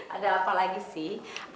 ada apa lagi sih